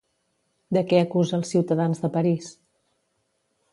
De què acusa els ciutadans de París?